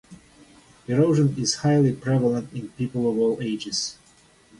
Erosion is highly prevalent in people of all ages.